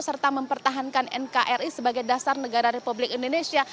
serta mempertahankan nkri sebagai dasar negara republik indonesia